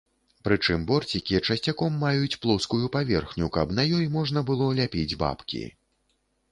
Прычым, борцікі часцяком маюць плоскую паверхню, каб на ёй можна было ляпіць бабкі.